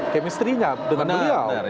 kemistrinya dengan beliau